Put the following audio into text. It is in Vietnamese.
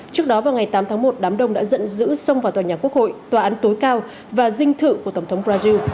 trước đó vào ngày tám tháng một đám đông đã dẫn giữ xông vào tòa nhà quốc hội tòa án tối cao và dinh thự của tổng thống brazil